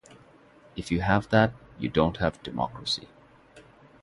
If you have that, you don't have democracy.